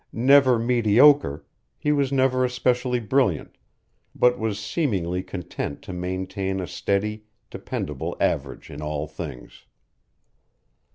Never mediocre, he was never especially brilliant, but was seemingly content to maintain a steady, dependable average in all things.